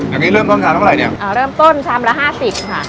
อันนี้เริ่มต้นทำทำเท่าไหร่เนี้ยเออเริ่มต้นทำละห้าสิบค่ะ